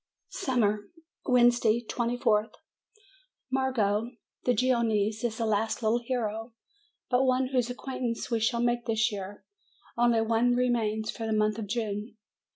SUMMER Wednesday, 24th. Marco, the Genoese, is the last little hero but one whose acquaintance we shall make this year; only one remains for the month of June.